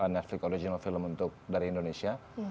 netflic original film untuk dari indonesia